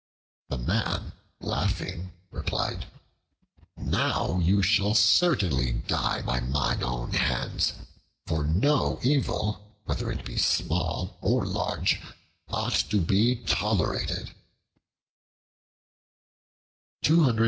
The Man, laughing, replied, "Now you shall certainly die by mine own hands, for no evil, whether it be small or large, ought to be tolerated."